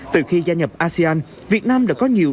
từ khi gia nhập asean việt nam đã có nhiều